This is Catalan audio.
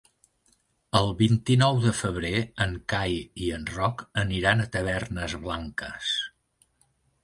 El vint-i-nou de febrer en Cai i en Roc aniran a Tavernes Blanques.